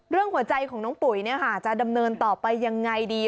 หัวใจของน้องปุ๋ยจะดำเนินต่อไปยังไงดี